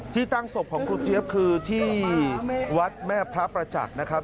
ที่ตั้งศพของครูเจี๊ยบคือที่วัดแม่พระประจักษ์นะครับ